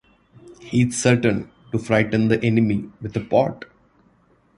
He's certain to frighten the enemy with a pot.